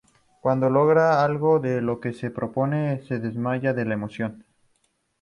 Cuando logra algo de lo que se propone, se desmaya de la emoción.